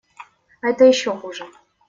А это еще хуже.